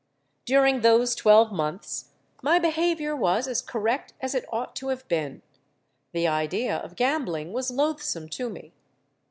During those twelve months my behaviour was as correct as it ought to have been: the idea of gambling was loathsome to me.